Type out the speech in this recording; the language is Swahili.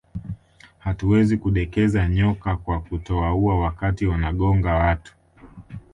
Hatuwezi kudekeza nyoka kwa kutowaua wakati wanagonga watu